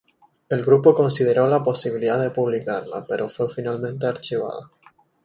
El grupo consideró la posibilidad de publicarla, pero fue finalmente archivada.